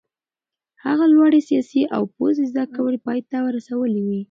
هغه لوړې سیاسي او پوځي زده کړې پای ته رسولې وې.